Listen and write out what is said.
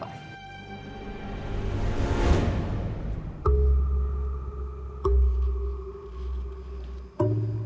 insya allah saya siap pak